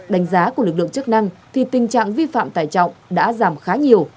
đánh giá của lực lượng chức năng thì tình trạng vi phạm tải trọng đã giảm khá nhiều